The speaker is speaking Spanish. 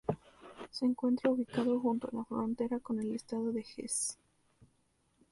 Se encuentra ubicado junto a la frontera con el estado de Hesse.